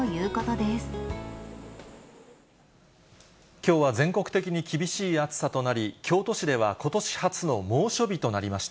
きょうは全国的に厳しい暑さとなり、京都市ではことし初の猛暑日となりました。